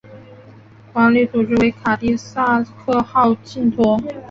管理组织为卡蒂萨克号信托。